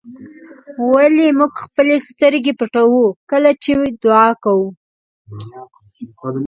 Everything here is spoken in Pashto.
ولې موږ خپلې سترګې پټوو کله چې دعا کوو.